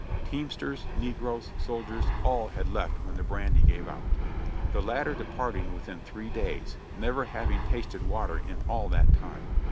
Teamsters, negroes, soldiers, all had left when the brandy gave out; the latter departing within three days, never having tasted water in all that time.